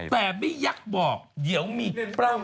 แต่ไม่ยักษ์บอกเดี๋ยวมีปล้ำ